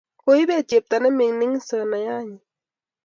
koibet chepto ne mining sonoya nyi